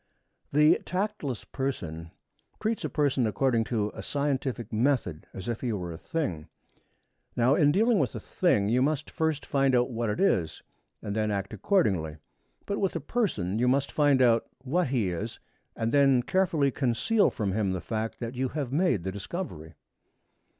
The tactless person treats a person according to a scientific method as if he were a thing. Now, in dealing with a thing, you must first find out what it is, and then act accordingly. But with a person, you must first find out what he is and then carefully conceal from him the fact that you have made the discovery.